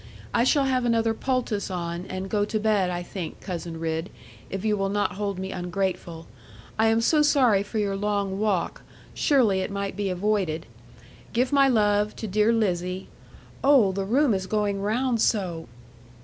I shall have another poultice on, and go to bed, I think, Cousin Ridd, if you will not hold me ungrateful. I am so sorry for your long walk. Surely it might be avoided. Give my love to dear Lizzie: oh, the room is going round so.'